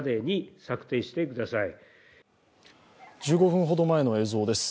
１５分ほど前の映像です。